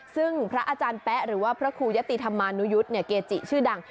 ซึ่งพระอาจารย์แป๊ะหรือว่าพระครูยะติธรรมานุยุทธ์เกจิชื่อดัง